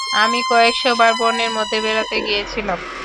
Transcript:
আমি কয়েকশ বার বনের মধ্যে বেড়াতে গিয়েছিলাম।